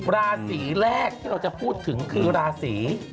ราศีแรกที่เราจะพูดถึงคือราศี